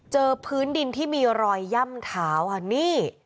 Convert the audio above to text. เจอพื้นดินที่มีรอยย่ำเท้าค่ะนี่